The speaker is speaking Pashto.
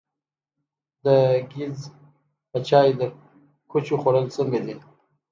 د ګیځ په چای د کوچو خوړل څنګه دي؟